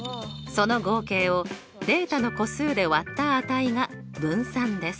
その合計をデータの個数で割った値が分散です。